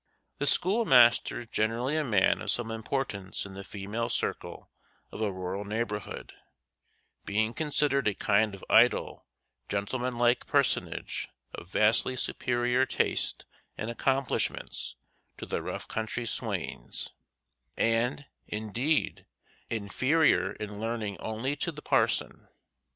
The schoolmaster is generally a man of some importance in the female circle of a rural neighborhood, being considered a kind of idle, gentleman like personage of vastly superior taste and accomplishments to the rough country swains, and, indeed, inferior in learning only to the parson.